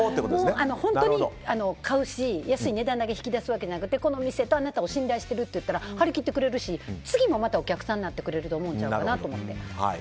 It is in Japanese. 本当に買うし、安い値段を引き出すだけじゃなくてこの店とあなたを信頼してるって言ったら張り切ってくれるし、次もまたお客さんになってくれると思うんちゃうかなと思って。